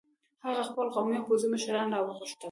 هغه خپل قومي او پوځي مشران را وغوښتل.